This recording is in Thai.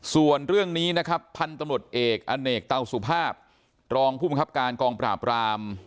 ส่วนเรื่องนี้นะครับพันธุ์ตำรวจเอกอเนกเตาสุภาพรองผู้บังคับการกองปราบราม